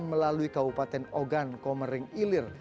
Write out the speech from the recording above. melalui kabupaten ogan komering ilir